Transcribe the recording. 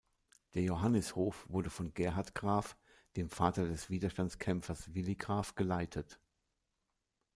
Der Johannishof wurde von Gerhard Graf, dem Vater des Widerstandskämpfers Willi Graf geleitet.